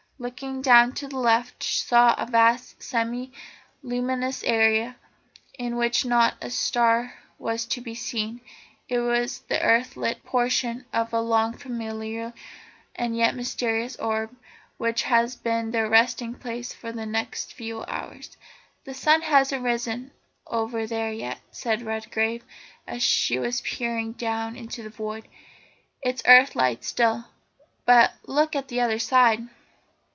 Looking down to the left, she saw a vast semi luminous area in which not a star was to be seen. It was the earth lit portion of the long familiar and yet mysterious orb which was to be their resting place for the next few hours. "The sun hasn't risen over there yet," said Redgrave, as she was peering down into the void. "It's earth light still. Now look at the other side."